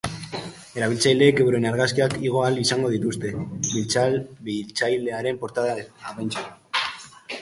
Erabiltzaileek euren argazkiak igo ahal izango dituzte, bilatzailearen portada apaintzeko.